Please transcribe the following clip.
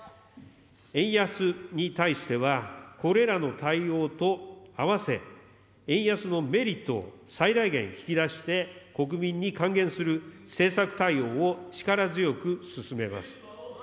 円安に対しては、これらの対応と併せ、円安のメリットを最大限引き出して、国民に還元する政策対応を力強く進めます。